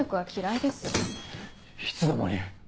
いつの間に。